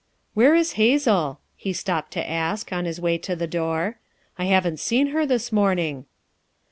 " Where is Hazel!" he stopped to ask, on his way to the door. "I haven't seen her this morning?"